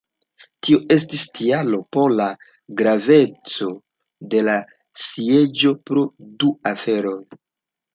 Tio estis tialo por la graveco de la sieĝo pro du aferoj.